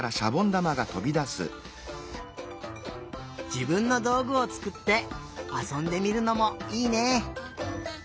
じぶんのどうぐをつくってあそんでみるのもいいね！